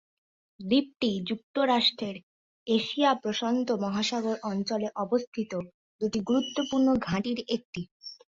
দ্বীপটি যুক্তরাষ্ট্রের এশিয়া প্রশান্ত মহাসাগর অঞ্চলে অবস্থিত দুইটি গুরুত্বপূর্ণ ঘাঁটির একটি।